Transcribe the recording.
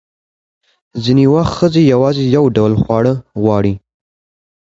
ځینې وخت ښځې یوازې یو ډول خواړه غواړي.